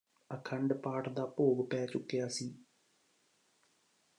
ਆਖੰਡ ਪਾਠ ਦਾ ਭੋਗ ਪੈ ਚੁੱਕਿਆ ਸੀ